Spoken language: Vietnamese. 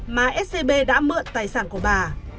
mà scb đã mượn tài sản của bà